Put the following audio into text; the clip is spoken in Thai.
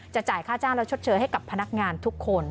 จ่ายค่าจ้างและชดเชยให้กับพนักงานทุกคน